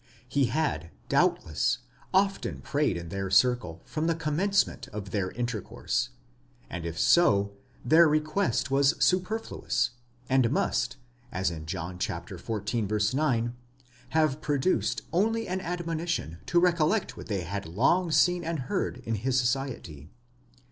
He had, doubtless, often prayed in their circle from the commencement of their intercourse ; and if so, their request was superfluous, and must, as in John xiv. 9, have produced only an admonition to recollect what they had long seen and heard in his society.